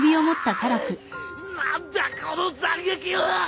何だこの斬撃は！